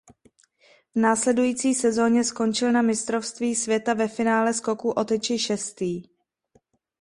V následující sezóně skončil na mistrovství světa ve finále skoku o tyči šestý.